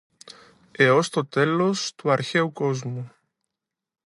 έως το τέλος του αρχαίου κόσμου.